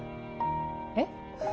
えっ？